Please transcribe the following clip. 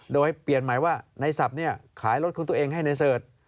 โดยเปลี่ยนหมายว่าในศัพท์เนี่ยขายรถของตัวเองให้ในเสิร์ช